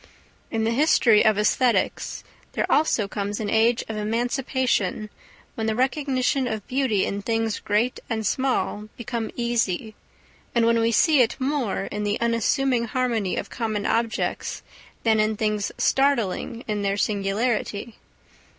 In the history of æsthetics there also comes an age of emancipation when the recognition of beauty in things great and small become easy, and when we see it more in the unassuming harmony of common objects than in things startling in their singularity.